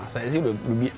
saya sih udah biasa